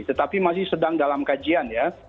tetapi masih sedang dalam kajian ya